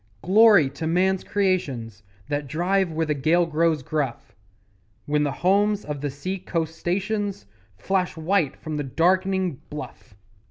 Glory to man's creations That drive where the gale grows gruff, When the homes of the sea coast stations Flash white from the dark'ning bluff!